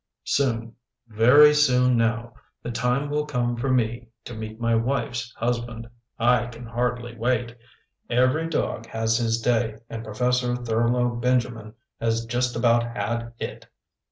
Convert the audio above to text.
Soon, very soon now, the time will come for me to meet my wife's husband. I can hardly wait. Every dog has his day and Professor Thurlow Benjamin has just about had it.